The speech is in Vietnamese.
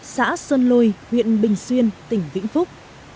xã sơn lôi huyện bình xuyên tỉnh vĩnh phúc